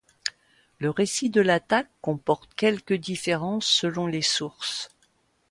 Le récit de l'attaque comporte quelques différences selon les sources.